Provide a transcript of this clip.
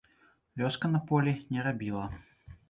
Вёска на полі не рабіла.